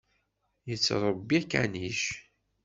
Yettṛebbi akanic.